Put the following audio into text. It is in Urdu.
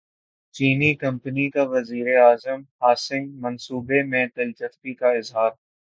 چینی کمپنی کا وزیر اعظم ہاسنگ منصوبے میں دلچسپی کا اظہار